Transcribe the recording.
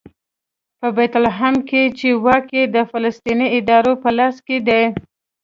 په بیت لحم کې چې واک یې د فلسطیني ادارې په لاس کې دی.